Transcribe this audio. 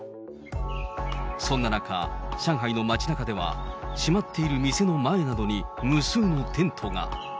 そんな中、上海の街なかでは、閉まっている店の前などに無数のテントが。